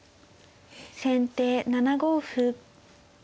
先手７五歩。